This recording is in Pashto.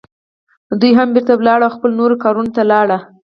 دوی هم بیرته ولاړې، خپلو نورو کارونو ته لاړې.